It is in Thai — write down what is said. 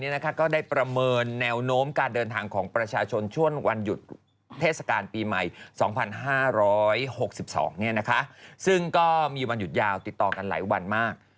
ซึ่งก็มีวันหยุดยาวติดต่อกันหลายวันมาก